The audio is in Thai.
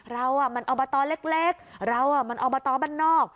เรามันอบตเล็กเรามันอบตบ้านนอก